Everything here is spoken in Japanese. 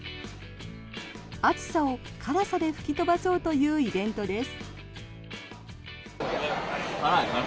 暑さを辛さで吹き飛ばそうというイベントです。